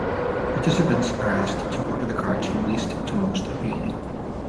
Participants are asked to order the cards from least to most appealing.